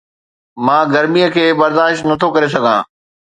مان گرميءَ کي برداشت نٿو ڪري سگهان